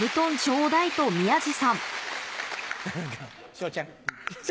昇ちゃん。